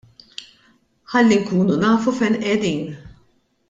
Ħalli nkunu nafu fejn qegħdin.